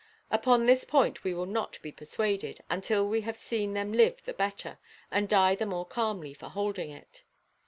Upon this point we will not be persuaded, until we have seen them live the better, and die the more calmly for holding it.